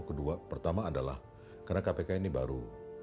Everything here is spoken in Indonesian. kedua pertama adalah karena kpk ini baru